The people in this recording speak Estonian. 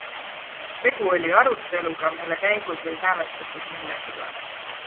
Tegu oli aruteluga, mille käigus ei hääletatud millegi üle.